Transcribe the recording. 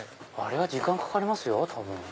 あれは時間かかりますよ。